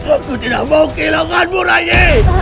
aku tidak mau kehilanganmu rayi